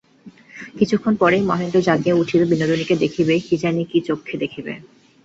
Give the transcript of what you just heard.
কিছুক্ষণ পরেই মহেন্দ্র জাগিয়া উঠিবে, বিনোদিনীকে দেখিবে–কী জানি কী চক্ষে দেখিবে।